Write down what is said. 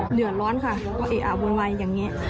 เหลือร้อนค่ะก็เอกอ่าววนวัยอย่างเงี้ย